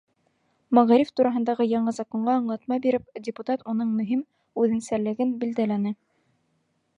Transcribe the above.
Мәғариф тураһындағы яңы Законға аңлатма биреп, депутат уның мөһим үҙенсәлеген билдәләне.